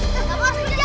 kamu harus kerja